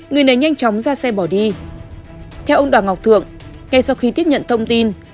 người này nhanh chóng ra xe bỏ đi theo ông đoàn ngọc thượng ngay sau khi tiếp nhận thông tin